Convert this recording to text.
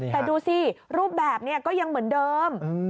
แต่ดูสิรูปแบบนี้ก็ยังเหมือนเดิม